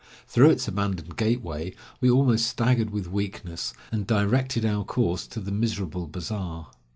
Through its abandoned gateway we almost staggered with weakness, and directed our course to the miserable bazaar.